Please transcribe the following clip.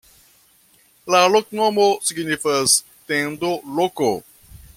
La loknomo signifas: tendo-loko.